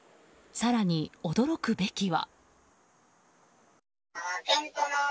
更に、驚くべきは。